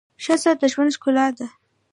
ښځه د ژوند ښکلا ده.